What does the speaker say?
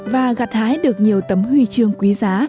và gặt hái được nhiều tấm huy chương quý giá